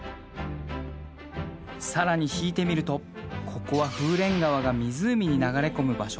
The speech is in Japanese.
更に引いてみるとここは風蓮川が湖に流れ込む場所。